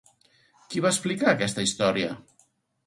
Qui va explicar aquesta història?